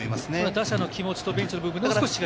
打者の気持ちとベンチの気分で違う？